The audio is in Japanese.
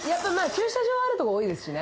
駐車場あるとこ多いですしね